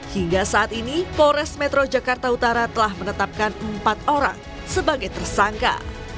hingga saat ini polres metro jakarta utara telah menetapkan empat orang sebagai tersangka